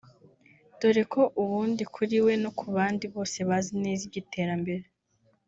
dore ko ubundi kuri we no kubandi bose bazi neza iby’ iterambere